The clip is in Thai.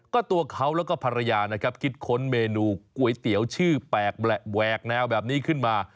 ก็ตัวเขาแล้วก็ภรรยานะครับคิดค้นเมนูก๋วยเตี๋ยวชื่อแปลกแหวกแนวแบบนี้ขึ้นมา